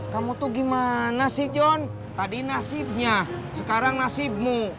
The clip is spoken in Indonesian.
kamu tuh gimana sih john tadi nasibnya sekarang nasibmu